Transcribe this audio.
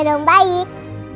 ya dong baik